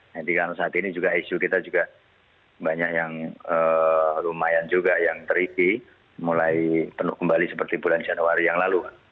nanti kan saat ini juga isu kita juga banyak yang lumayan juga yang terisi mulai penuh kembali seperti bulan januari yang lalu